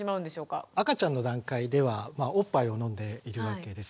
赤ちゃんの段階ではおっぱいを飲んでいるわけです。